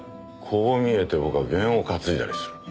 こう見えて僕は験を担いだりする。